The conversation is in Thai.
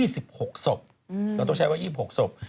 ศพเราต้องใช้ว่า๒๖ศพ